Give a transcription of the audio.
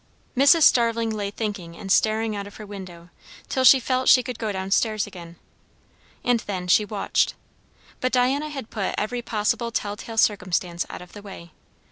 Mrs. Starling lay thinking and staring out of her window, till she felt she could go down stairs again. And then she watched. But Diana had put every possible tell tale circumstance out of the way.